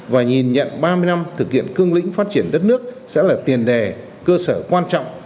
và nhìn nhận ba mươi năm thực hiện cương lĩnh phát triển đất nước sẽ là tiền đề cơ sở quan trọng